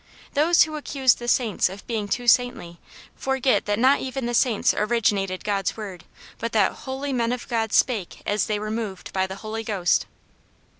Those who accuse the saints of being too saintly, forget that not even the saints originated God*s word, but that " holy men of God spake as they were moved by the Holy Ghost."